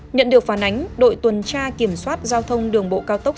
nhận được phản ánh đội tuần tra kiểm soát giao thông đường bộ cao tốc